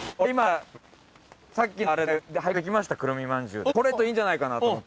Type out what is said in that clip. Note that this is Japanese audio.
これちょっといいんじゃないかなと思って。